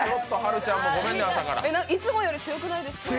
いつもより強くないですか。